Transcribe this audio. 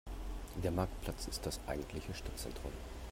Der Marktplatz ist das eigentliche Stadtzentrum.